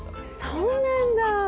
そうなんだ。